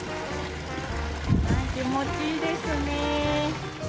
気持ちいいですね。